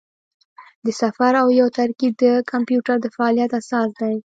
د صفر او یو ترکیب د کمپیوټر د فعالیت اساس دی.